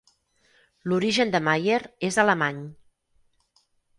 L'origen de Maier és alemany.